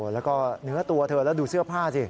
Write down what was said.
แล้วก็เนื้อตัวเธอแล้วดูเสื้อผ้าสิ